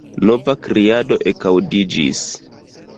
Nova kriado ekaŭdiĝis.